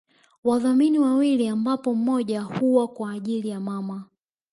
Wadhamini wawili ambapo mmoja huwa kwa ajili ya mama